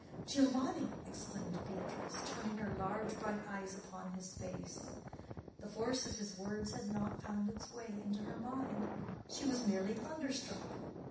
"Giovanni!" exclaimed Beatrice, turning her large bright eyes upon his face. The force of his words had not found its way into her mind; she was merely thunderstruck.